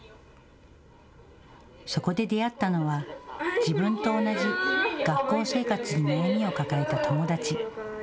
そこで出会ったのは自分と同じ学校生活に悩みを抱えた友達。